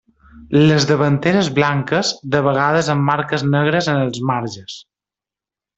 Les davanteres blanques, de vegades amb marques negres en els marges.